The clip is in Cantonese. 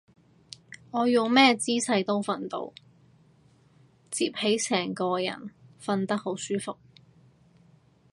我用咩姿勢都瞓到，摺起成個人瞓得好舒服